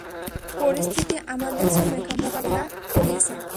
পরিস্থিতি আমাদের অনেককিছু মোকাবেলা করিয়েছে।